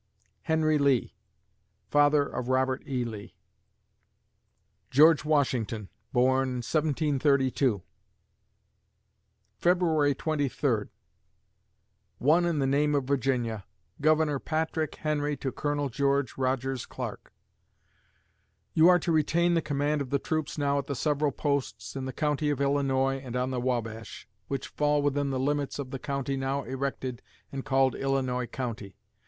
HENRY LEE (Father of Robert E. Lee) George Washington born, 1732 February Twenty Third Won in the Name of Virginia; Governor Patrick Henry to Colonel George Rogers Clark: "You are to retain the Command of the troops now at the several posts in the county of Illinois and on the Wabash, which fall within the limits of the County now erected and called Illinois County....